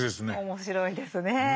面白いですね。